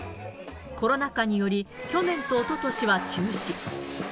コロナ禍により、去年とおととしは中止。